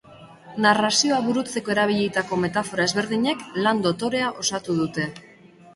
Narrazioa burutzeko erabilitako metafora ezberdinek lan dotorea osatu dute.